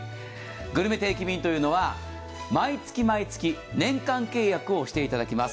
グルメ定期便というのは、毎月毎月年間契約をしていただきます。